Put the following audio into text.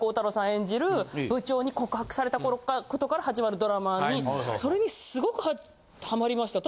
演じる部長に告白されたことから始まるドラマにそれにすごくハマりました。